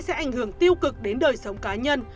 sẽ ảnh hưởng tiêu cực đến đời sống cá nhân